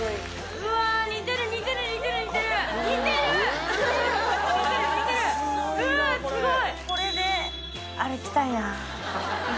うわすごい！